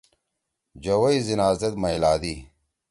جوَئی زیِناز زید مئیلادی۔